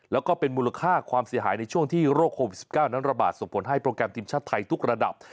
แล้วก็เป็นมูลค่าความเสียหายในช่วงที่โรคโควิด๑๙นั้นระบาดส่งผลให้โปรแกรมทีมชาติไทยทุกระดับ